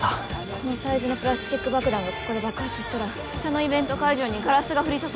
このサイズのプラスチック爆弾がここで爆発したら下のイベント会場にガラスが降り注ぐ。